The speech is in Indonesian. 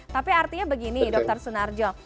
tapi artinya begini dr sunarjo